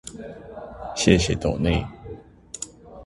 謝謝斗內